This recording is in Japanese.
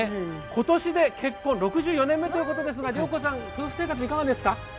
今年で結婚６４年目ということですが、良子さん、夫婦生活いかがですか？